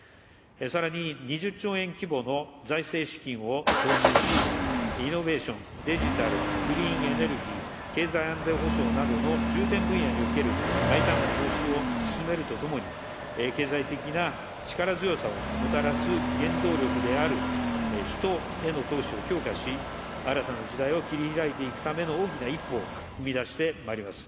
さらに２０兆円規模の財政資金を投入し、イノベーション、デジタル、クリーンエネルギー、経済安全保障などの重点分野における大胆な投資を進めるとともに、経済的な力強さをもたらす原動力である人への投資を強化し、新たな時代を切りひらいていくための大きな一歩を踏み出してまいります。